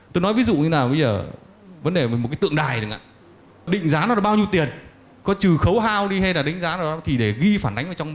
tôi nói ví dụ như là bây giờ vấn đề về một cái tượng đài chẳng hạn định giá nó là bao nhiêu tiền có trừ khấu hao đi hay là đánh giá nào đó thì để ghi phản ánh vào trong